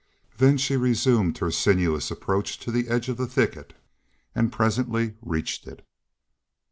Then she resumed her sinuous approach to the edge of the thicket, and presently reached it.